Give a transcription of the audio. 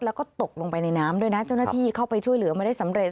แล้วก็ตกลงไปในน้ำด้วยนะเจ้าหน้าที่เข้าไปช่วยเหลือมาได้สำเร็จ